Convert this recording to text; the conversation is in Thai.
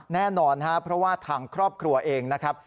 แน่นอนครับเพราะว่าทางครอบครัวเองนะครับ